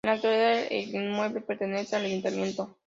En la actualidad el inmueble pertenece al Ayuntamiento.